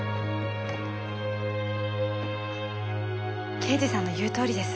刑事さんの言うとおりです。